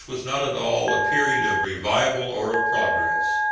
was not at all a period of revival or of progress.